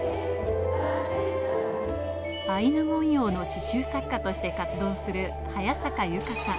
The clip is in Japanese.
アイヌ文様の刺繍作家として活動する早坂ユカさん。